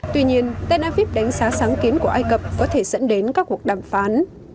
tuy nhiên tên áp viếp đánh xá sáng kiến của ai cập có thể dẫn đến các cuộc đàm phán